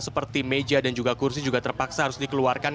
seperti meja dan juga kursi juga terpaksa harus dikeluarkan